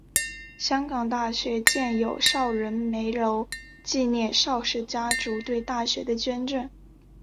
香港大学建有邵仁枚楼纪念邵氏家族对大学的捐献。